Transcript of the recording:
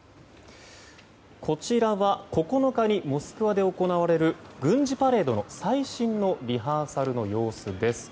こちらは９日にモスクワで行われる軍事パレードの最新のリハーサルの様子です。